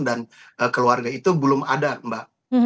dan keluarga itu belum ada mbak